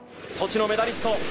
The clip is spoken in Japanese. ソチのメダリスト